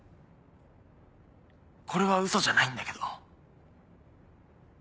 これはウソじゃないんだけど。